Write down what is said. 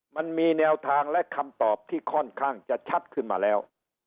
มันมีแนวทางและคำตอบที่ค่อนข้างจะชัดขึ้นมาแล้ว